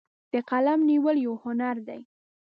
د قلم نیول یو هنر دی.